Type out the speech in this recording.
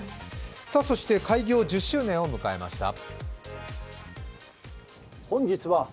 そして、開業１０周年を迎えました。